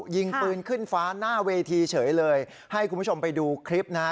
ยิงปืนขึ้นฟ้าหน้าเวทีเฉยเลยให้คุณผู้ชมไปดูคลิปนะฮะ